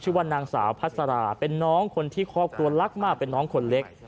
ว่านางสาวพัสราเป็นน้องคนที่ครอบครัวรักมากเป็นน้องคนเล็ก